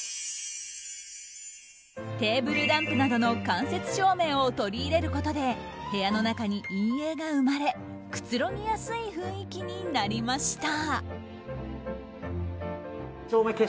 テーブルランプなどの間接照明を取り入れることで部屋の中に陰影が生まれくつろぎやすい雰囲気になりました。